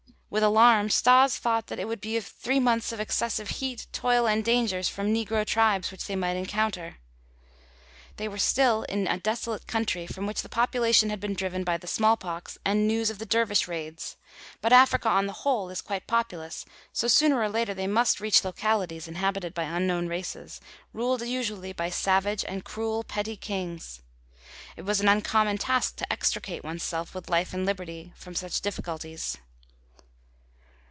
With alarm Stas thought that it would be three months of excessive heat, toil, and dangers from negro tribes which they might encounter. They were still in a desolate country from which the population had been driven by the smallpox and news of the dervish raids; but Africa, on the whole, is quite populous, so sooner or later they must reach localities inhabited by unknown races, ruled usually by savage and cruel petty kings. It was an uncommon task to extricate one's self with life and liberty from such difficulties.